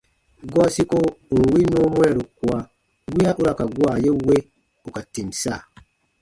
Gɔɔ siko ù n win nɔɔ mwɛɛru kua wiya u ra ka gua ye we ù ka tìm sa.